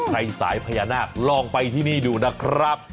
สายพญานาคลองไปที่นี่ดูนะครับ